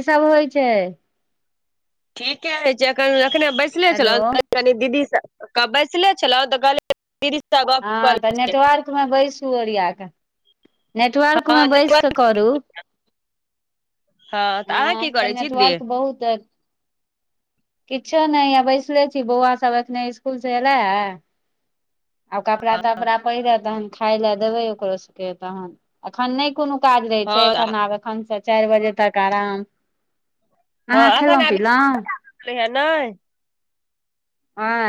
की सब होइ छैय [inaudible] ठीके है छैय एखन एखने बैसले हेलो छलौ कनी दीदी स क बैसले छलौ त कहलीय [unintelligible] हऽतऽ नेटवर्क मे बैसू ओरिया कऽ [inaudible] नेटवर्क हँ में नहि बैस कऽ करू हँ तऽ अहाँ की अहाँक करै छी दीदी नेटवर्क बहुत किछो नै हैया बैसले छी बौआ सब एखने इजकुल स अयलाह आब कपड़ा तपड़ा पहिरत तहन खाय ला देबै ओकरो सभ केँ तहन एखन नै कोनो काज रहै छै हँ एखन आब एखन स चायर बजे तक आराम [inaudible] ह अखन‌ खेलहुँ इसकुल पिलहुँ [unintelligible] हँ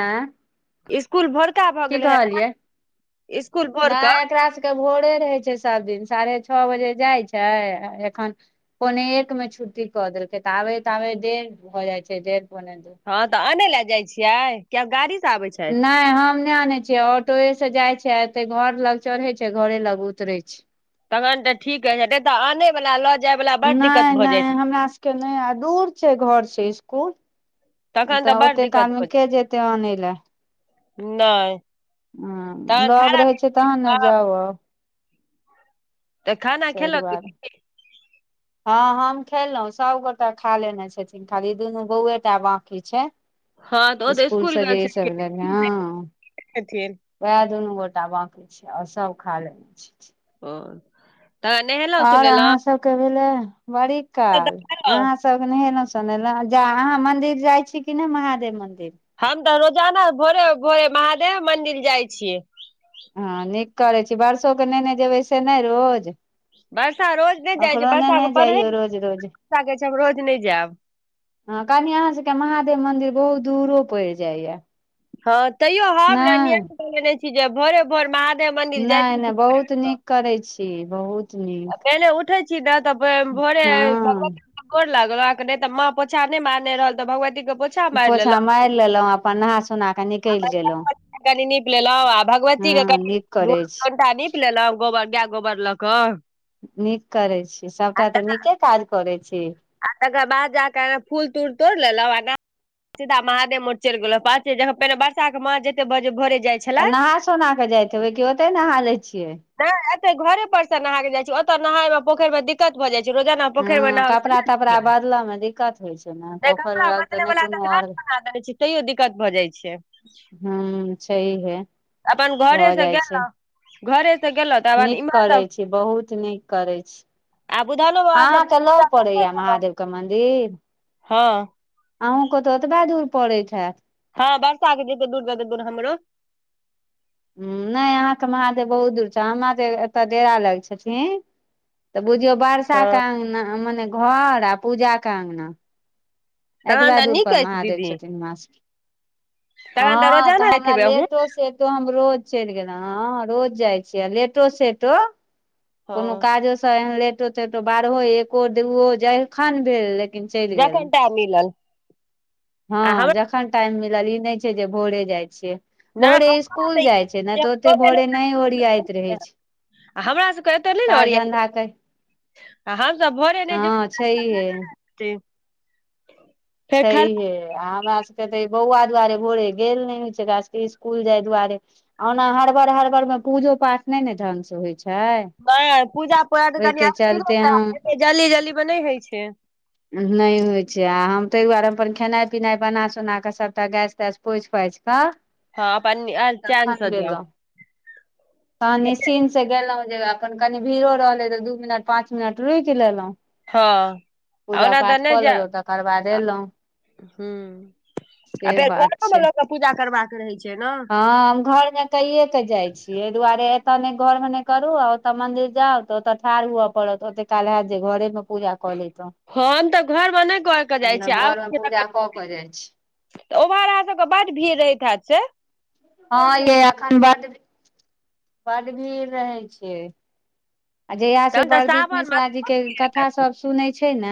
इसकुल भोरका भ गेलै नै कहलियै [inaudible] इसकुल भोर कऽ कऽ भोरे रहैय छैय सब दिन साढ़े छह बजे जाइ छैय एखन पौने एकमे छुट्टी क देलकै त आबैत आबैत डेढ़ भ जाइ छैय डेढ पौने दू हऽतऽ आने ला जाय छियै कि आब गाड़ी स आबे छैय नै हम नै आनै छीय ऑटोए से जाइ छी अतै घर लग चढ़ै छैय घर लग उतरै छैय तखन तऽ ठीक हैय नै त आनय वला ल जाय वला बड दिक्कत भऽ जाइत के नै आ दूर छैय घर स इसकुल तखन तऽ बड़ तऽओते दिक्कत काल में केँ जेतै आनै ला नै हुं लग रहै छैय तहन न पीलहुँ जाउ आउ तऽ खाना सै खेलक दुआर [unintelligible] हां हम खेलौ सब गोटा खा लेने छथिन खाली दुनू बौआएटा बाकी छैय हँ तऽ ओ तऽ इसकुल स्कूल स गेल जे ई सभ लै हँ छलखिन [inaudible] वैह दुनू गोटा बाँकी छैय और सब खा लेने छै [unintelligible] और सुनेलहुँ अहा सब केँ भेलै बड़ी काल अहा सब क नहेलौ सोनैलो अहाँ मन्दिर जाइ छी की नै महादेव मन्दिर हम तऽ रोजाना भोरे भोरे महादेवे मन्दिर जाइ छियै हँ नीक करै छी बरसो कऽ नेेने जेबै से नै रोज बरसा रोज नै जाइ छै ओकरो बरसा नेने कऽ पढे [inaudible] जइयौ रोज कऽ रोज बरसा कहै छै हम रोज नै जैब हऽ कनी अहा सब केँ महादेव मन्दिर बहुत दूरो पैड़ जाय यऽ ह तैयो हम न नियम कैने रहे छी जे भोरे भोर महा नै नै बहुत नीक करैत छी बहुत नीक पहिले उठैय छी न तऽ भ भोरे हँ [unintelligible] गोर लागलक नै तऽ माँ पोछा नै मारने रहल तऽ भगवती के पौ - -छा माइट लेलौ पोछा मारि लेलहुँ अपन नहा सोना कऽ [inaudible] आ निकलि गेलहुँ बजरंगबली के कनी निप लेलौ आ भगवती ई क हँ [unintelligible] नीक कनियो करै छी कनिटा नीप लेलौं गोबर गाय गोबर लऽ कऽ नीक करैत छी आ सभटा तऽ नीके काज करैत छी। आ तकर बाद जाकऽ फूल तूल तोड़ लेलौ सीधा महादेव मोठ चैल गेलो बात छै जह पहिने बच्चा के माँ जते बज भरे जाइ तऽ छलथि नहा सोना कऽ जाइत हेबै कि ओतय नहा लै छियै। नहि एतै घरे पर से नहा केँ जाइ छै ओत नहायमे पोखैर मे दिक्कत भए जाइ छै रोजाना पोखैर मे हँ नहाऊ कपड़ा बदल में दिक्कत होइ छै ने नहि पोखैर कपड़ा में तऽ बदले नै वला कोनो औढ़ घाट [inaudible] बना देने छी तैयो दिक्कत भऽ जाइ छै हुँ छै हे अपन घरे सँ गेलौ [inaudible] घरे सँ गेलथ नीक करै छी बहुत नीक करै छी आ बुधानो [inaudible] बाबा अहाँ सबके केँ पूजा लग करिते पड़ैय। गेलहुँ महादेव केँ मंन्दिर हँ अहूँ कऽ तऽ ओतबै दूर पड़ैत हैत हँ वर्षाकेँ जेतै दूर जतै दूर हमरो। हु नै अहाँ कऽ महादेव बहुत दूर छथि हमरा एत डेरा लग छथिन तऽ बुझियौ बर्षा हँ कऽ अंग माने घर पूजाकेँ अंगना तहन एतबा तऽ दूर नीक पर अछि महादेव दीदी छथिन हमरा सबकेँ तहन हँ तऽ रोजाना जाइत हमरा हेबै अहूँ लेटो सेट तँ हम रोज चलि गेलहुं हँ रोज जाइ छियै लेटो सेटो कोनो हँ काजो सँ एहन लेटो तेटो बारहो एको दूओ जहिखन भेल लेकिन चलि गेलहुँ जखन टाइम मिलल आ हँ हमरा जखन टाइम मिलल ई नहि छै जे भोरे जाइ छियै। नहि भोरे हमरा इसकूल तऽ ई जाइ छै ने जे हम तऽ ओते भोरे नहि ओरियाइत रहै छै आ हमरा सभके एतय नहि न काज ओरियाइत धन्धा कर आ हमसभ भोरे नहि हँ छैहे जे [inaudible] छैहे आ हमरा सबके तऽ ई बौआ दुआरे भोरे गेल नहि होय छै एकरा सबके इसकुल जाइ दुआरे ओहुना हड़बड़ हड़बड़मे में पूजो पाठ नै न ढंग स होइ छै। नहि पूजा पाठ कनि ओहिके अस्थिरे चलते से हम एते जल्दी जल्दी मे नहि हइ छै। नहि होइ छै आ हम ताहि दुआरे हम अपन खेनाइ पिनाइ बना सोना कऽ सभटा गैस तैस पोछि पाछि कऽ हँ अपन चैनसँ जाउ। हँ निश्चिंतसे गेलौ जे अपन कनी भीड़ो रहले तऽ दू मिनट पांच मिनट रुकि लेलौ हँ ओना त नै जेए लेलहुँ तकर बाद एलहुँ ह आ से फेर बात घरोमे छै लोकक पूजा करबाक रहै छै न हँ हम घर मे कइये के जाइ छीयै एहि दुआरे एतऽ ने घर मे नहि करू ओ ओतऽ मंदिर जाउ तऽ ओतऽ ठाढ़ हुए पड़त ओते काल हैत जे घरे मे पूजा कऽ ल‌इतौ ह हम तऽ घरमे नहि करिके जाइ छी आबै घरमे छी पूजा तखन कऽ करय छियै के जाइ छी तऽ ओम्हर अहाँ सबके बड भीड़ रहैत हेएत से हँ यै अखन बड्ड भीड़ बड्ड भीड़ रहै छै। आ जहिया से तहन तऽ प्रदीप सावन मे मिश्रा जी के कथा सब सुनै छै न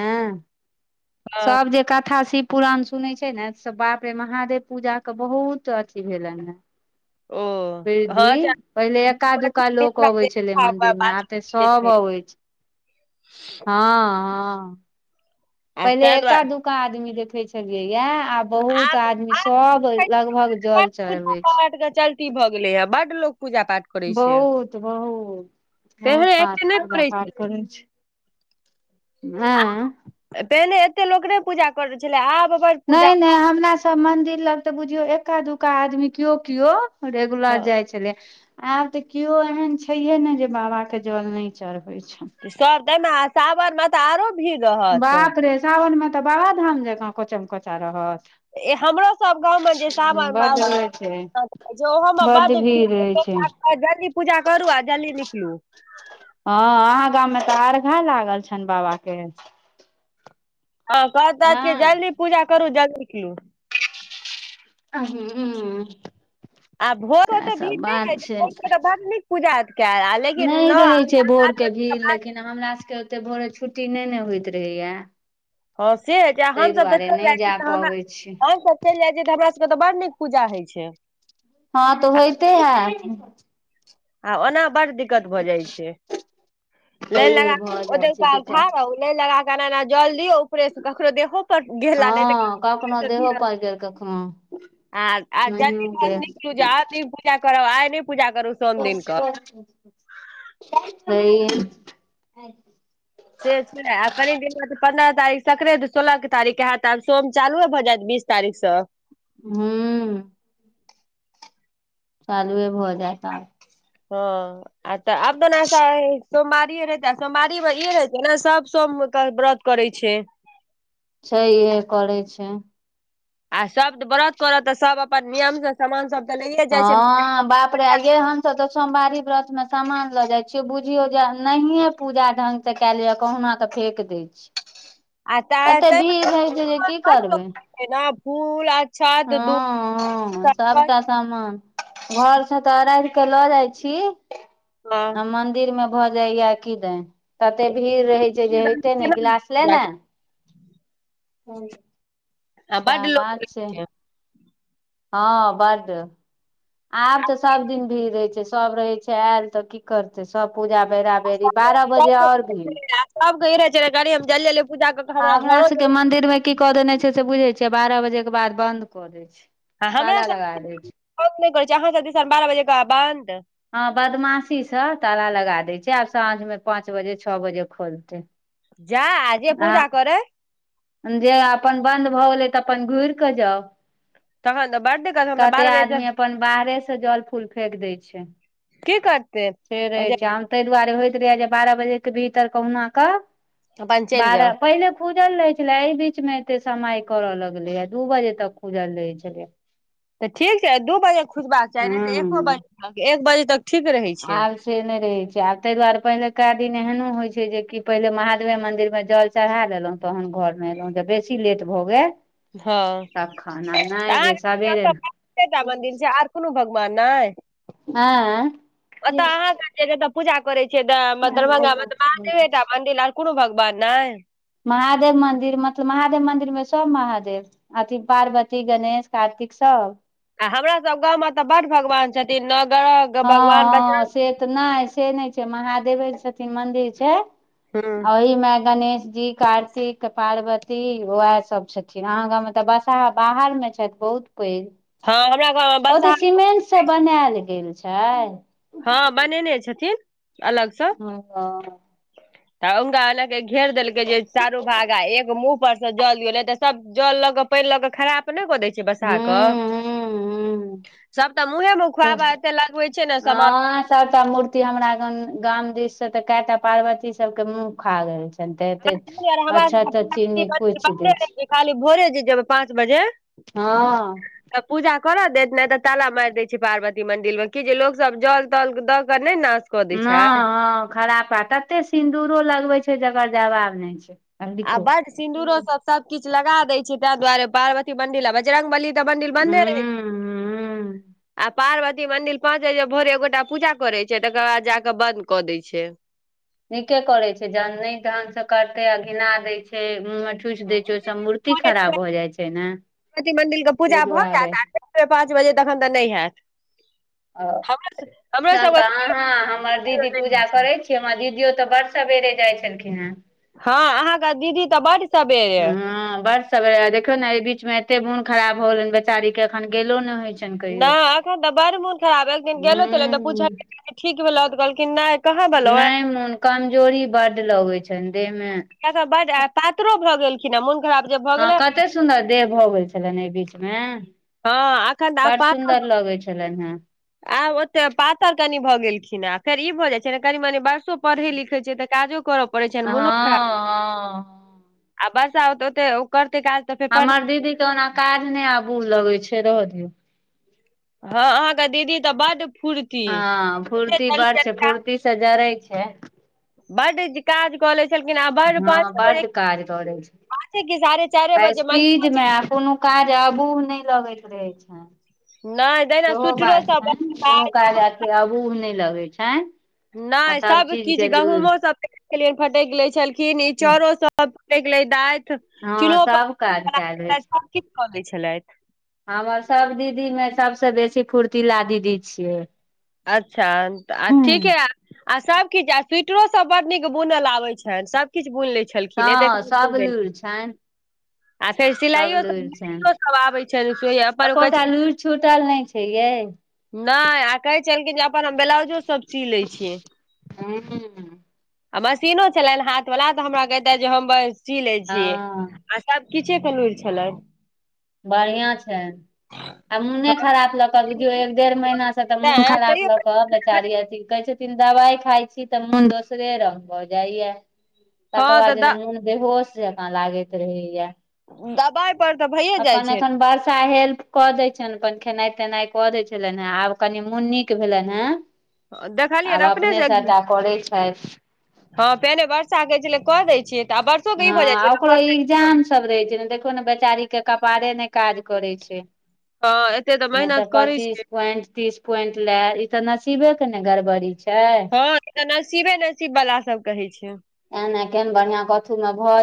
सब जे कथा शिव पुुरान सुनै छै ने सब बाप रे महादेव पूजा के बहुत अथी भेलनि हौ ओ बिरधी हँ पहिले आ एका ताहि दुक्का लोक अबै दुआरे छलै आब मंदिर मे आब तऽ सब अबै छै हँ हँ। पहिले एका दुका आदमी देखे छलियै या आब बहुत आदमी सब लगभग जल चढ़बै छै [unintelligible] च ती भऽ गेलैय या बड लोक पूजा पाठ करै छै बहुत बहुत बहुत पहिने पाठ एते नहि पूजा करै पाठ छलै करय छै। हँ पहिने एते लोक नहि पूजा करै छलै आब बड्ड पूजा नहि नहि हमरा सब मंदिर लग तऽ बुझियो एका दुका आदमी किओ किओ रेगुलर हँ जाय छलै। आब तऽ कियो एहन छैयहे नै जे बाबा के जल नय चढ़बेै छै सब देै न सावन म बाप रे सावन मे तऽ बाबाधाम जेका कोचम कोचा रहत ए हमरो सब गाँव मे जे सावन बड्ड मे रहै छै [inaudible] ओहो मे बड्ड बड रहै भीड़ छै [inaudible] आ जल्दी पूजा करू आ जल्दी निकलु हं आहाँ गाम मे तऽ अर्घा लागल छनि बाबा के हं कैहत रहत की नहि जल्दी पूजा करू जल्दीनिकलु अहूँ आ भोड़ोक औते भीड़ नय रहैय छै भोड़ के बड़ नीक पूजा हेऽत केऽल नै रहै छै भोरके भीड़ लेकिन हमरासबके ओते भोरे छुट्टी नै न होयत रहैया हँ से होय छै आ हमसब तऽ चैल नहि जाइ छी जा तऽ हमरा पबै छी हमसब चैल जाय छियै तऽ हमरा सब कऽ तऽ बड़ नीक पूजा होय छै हँ तऽ होयते हैत आ ओना बड्ड दिक्कत भऽ जाय छै लैन तैे लगा भऽ कऽ जाइ ओतेक छै काल ठार दिक्कत रहु लैन लगा कऽ एना -एना जल दियौ ऊपरे सँ ककरो देहो पर गेला नहि तऽ हँ कखनौ ककरो से देह भिड़ल पर गेल कखनौ आ [unintelligible] [unintelligible] आय नैय पूजा करू सोम दिन कऽ [unintelligible] हैय से होय छै ने आ कनि दिन मे तऽ पन्द्रह तारीख सँ सकरैत सोलह के तारीख कऽ हैत आब सोम चालुए भऽ जैत बीस तारीख सँ हुँ चालुए भऽ जैत आब हँ आ तऽ आब तऽ ओना सय - सोमवारी रहितै सोमवारी मऽ इ रहै छै नऽ सब सोम कऽ व्रत करै छैय छै इहे करै छैय आ सब व्रत करत तऽ सब अपन नियम सँ समान सब तऽ लैये जाइ छै ने। हँ बाप [unintelligible] ये हम सब तऽ सोमवारी व्रत मे सामान लऽ जाय छियै बुझियो जे नहिये पूजा ढंग सँ केल होय यऽ कहुना कऽ फेेक दै छी आ ताहि अते भीड़ रहै छै जे की करबै एना फुल आ हँ हँ सबटा समान घर से तऽ अरैध कऽ लऽ जाय छी हाँ, आ मंदिर मे भऽ जाइ यऽ किदेैन तते भीड़ रहै छै जे होइते नय केना गिलास जाय लेने छै? आ बड सैह लोक लै बात छै हँ बाड आब तऽ सब दिन भीड़ रहेै छै सब रहेै छै एल तऽ की करतेै सब पूजा बेरा बेरी [unintelligible] आ बारह सब बजे कऽ और इ भीड़ रहै छै नऽ कनि हम जल्दी - जल्दी पूजा कऽ के आ हमरा घरो सबके जेबै। मंदिर मे की कऽ देने छै से बुझै छियै बारह बजे कऽ बाद बंन्द कऽ दैय छै आ हमरा ताला लगा दै छै [unintelligible] अहाँ सब दिशा बारह बजे कऽ बाद बंन्द हँ बदमाशी सँ ताला लगा दैय छै आब साँझ मे पाँच बजे छ बजे खोलतै जा आ जे पूजा करै जे अपन बंन्द भऽ गेलै तऽ अपन घुइर कऽ जाउ तहन तऽ बड्ड दिक्क कते आदमी अपन बाहरे सँ जल फूल फेेक दैय छैय की करतेै ओजे तैय दुआरे होयत रहै यऽ जे बारह बजे कऽ भीतर कहुना कऽ अपन चलि जाउ बारह पहिले खुजल रहे छले एय बीच मे एते समय करल लगले य दू बजे तक खुजल रहे तऽ ठीक छै दू बजे खुजबाक चाही नय तऽ एको हँ बजे तक एक बजे तक ठीक रहै छै आब से नै रहे छै आब ताहि दुआरे पहिलुका दिन एहनो होय छै जे की पहिले महादेवे मंदिर मे जल चढ़ा देलहुँ तहन घरमे एलहुँ जब बेसी लेट भऽ गेल हँ तखन आ तऽ नहि जे अहाँकेँ सबेरे एतऽ कते टा मन्दिर छै आर कोनो भगवान नय आँय ओतऽ अहाँ [unintelligible] पूजा करै छियै दरभंगा म तऽ महादेवेटा मंन्दिर आर कोनो भगवान नय महादेव मंन्दिर मतलब महादेव मंन्दिर मे सभ महादेव अथी पार्वती गणेश कार्तिक सभ आ हमरा सभ गाव मे तऽ बड भगवान छथिन नगर ह ह से तऽ नहि से नहि छै महादेवे छथिन मन्दिर छै ओ बजरंग ओहिमे गणेश जी कार्तिक के पार्वती उएह सभ छथिन अहाँ गाव तऽ बसहा बाहर मे छथि बहुत पैघ ह हमरा ग ओ तऽ सीमेट से बनायल गेल छै ह बनेने छथिन अलग से ह। तऽ हुनका एना के घेर देलकै ज चारू भागा एो मुह पर से जल दियौल तऽ सभ जल लऽ के पानि ल के खराब कऽ दै छ बस हूँ सभ मु ह सब्ता हमरा गाम दिस से ते कता पार्वती सभ के मुंह खाग छै ते हमरा अच्छा अच्छा चीनी कुछ दै छै। सबके खाली भोरे जे जेब पाँच बजे। ह तऽ पूजा करऽ देत नहि तऽ ताला मारि दय छै पार्वती मंदिर मे कि जे लोक सभ जल तल दऽ के नहि नाश कऽ दै छै नहि ह खरापात ततेक सिन्दूरो लगबैत छै जकर जवाब नहि छै आब आ लिखू हूँ बड़ सिन्दरो सभ सभ किछु लगा देय छै ताहि दुआरे पार्वती मंदिर आ बजरगबली त बन्दिल बन्दे रहे हूँ आ पार्वती मंदिर पाँच बजे भोरे एगोटा पूजा करे छै तकर बाद जाके बंद कऽ देय छै नीके करे छै जहन नहि ढन से करते आ घिना देय छै। ठूसि दै छै ओते ओहिसँ बजे मूर्ति खराब भऽ जाइ छै ने भती मन्दिरके ताहि पूजा भऽ दुआरे जायत आ पाँच बजे तखन तऽ नहि होयैत ओ तहन तऽ सबके अहाँ हमर दीदी पूजा करै छी। हमर दीदियो तऽ बड़षा बेरे जाइत छलखिन हे हँ अहाँकेँ दीदी तऽ बड़ ह बड़ सभ देखियौ ने बीच मे एते मोन खराब होलन बेचारी के एखन गेलो ने होई छै नहि एखन तऽ बड़ मोन खराब भेलखिन गेल तऽ पूल हूँ ठीक भेलो तऽ कहलखिन नहि कहाँ भेलौ नहि मोन कमजोरी बड़ लगैत छनि देहमे त सभ बाद पातरो भऽ गेलखिन हँ मोन खराब जे भऽ गेलै बड़ सुन्दर देह भऽ गेल छलनि एहि बीच मे हँ एखन तऽ आब बड़ पातर सुन्दर लगै छलनि हे आब ओते कऽ पातर कनि भऽ गेलखिन आ फेर ई भऽ जाइत छै ने कनी मनी बरसो पढ़ै लिखैत छै तऽ काजो कर पड़े छै मनो हँ खराब हँ आ वर्षा होत करते काज तऽ फेर पढ़ हमर दीदी के ओना काज नहि आबू लगै छै रहे दियौ हँ अहाँकेँ दीदी तऽ बड फूर्ती ह फूर्ती बड़ छै फूर्ती से जरै छै बड्ड काज कऽ ले छलखिन आ बड पाँच हँ बड्ड काज करै छै पाँचे कि साढ़े चाइरे आ बजे स्पीड मे आ कोनो काज आबू नहि लगैत रहे छै नहि। तहिना सेहो स्वेटरो बात सब छनि कोनो काज अथी अबूह नहि लगैत छनि। आ नहि सभ चीज किछ के गहुमहो सभ फटैक लैइ छलखिन इ चाउरो सभ। हँ सभ काज कए लै छै [inaudible] हमर सभ दीदी मे सभ सँबेसी फुर्तीला दीदी छियै अच्छा आ हँ ठिके आ आ सब किछ आ स्वेटरो सब बड नीक बुनल आबैइन छैन सब किछ बुन ले छै छलखिन अतै सभ दिन लुरि छनि आ ताई सभ सिलाइयो सब लुरि उम्म छनि सिलाइयो सबआबै छैन सिए पर एकोटा कही। [inaudible] लुरि छूटल नहि छै यै नय कहलखिन जै अपन ब्लाउजो सब सी लैइ छिए मसीनो छलैन हाथ बाला त हमरा कैहैथ जे हम सी लैइ हँ छिऐ सब किछै के लुइर छलैइन बढ़िया छैन आ मूनै खराब लक बुझियौ एक डेढ़ महीना तऽ मन तैं खराब तैयो लऽ कऽ बेचारी अथी कहै छै दवाइ खाइ छि त मून दोसरे रंग भ जाइया हँ तकर तऽ बाद द जना मोन बेहोश जका लागैत रहैया दबाई अपन अखन वर्षा हेल्प क दैइ छैन अपन खेनाइ तैनाइ क दै छलैन या आब कनि मून निक भेलेन हा देखलियै आब ने अपने सबटा करैत छैथ ह पेनै वर्षा जै कहै छले जे क दै छि त आब बर हँ ओकरो इग्जाम सब रहै छै ने देखौने बेचारी के कपारे नय काज करै छै हँ एते नय तऽ मेहनत करै छै पच्चीस पाइंत तीस पोइंट लेए इ ते नसीबे के ने गड़बड़ी छै हँ नसीबे नसीब बला सब के होइ छै तए नए केहेन बढ़िया क्यू मे भ